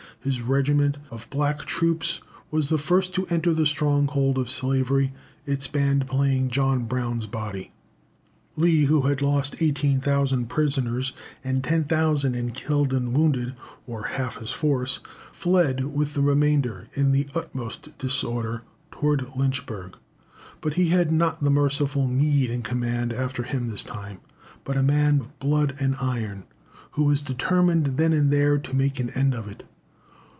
His regiment of black troops was the first to enter the stronghold of slavery, its band playing "John Brown's Body." Lee, who had lost 18,000 prisoners and 10,000 in killed and wounded, or half his force, fled with the remainder, in the utmost disorder, toward Lynchburg. But he had not the merciful Meade in command after him this time, but a man of blood and iron, "who was determined then and there to make an end of it."